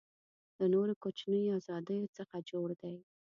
له نورو کوچنیو آزادیو څخه جوړ دی.